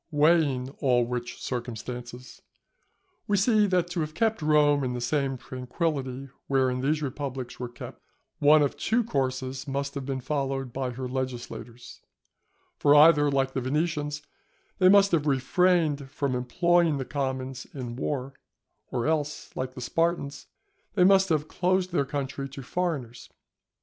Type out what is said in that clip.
Weighing all which circumstances, we see that to have kept Rome in the same tranquility wherein these republics were kept, one of two courses must have been followed by her legislators; for either, like the Venetians, they must have refrained from employing the commons in war, or else, like the Spartans, they must have closed their country to foreigners.